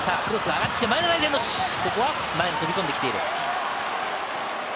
あっ、ここは前に飛び込んできている。